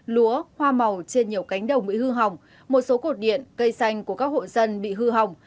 lúa hoa màu trên nhiều cánh đồng bị hư hỏng một số cột điện cây xanh của các hộ dân bị hư hỏng